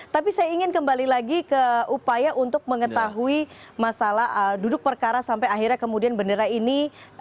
tapi saya ingin kembali lagi ke upaya untuk mengetahui masalah duduk perkara sampai akhirnya kemudian bendera ini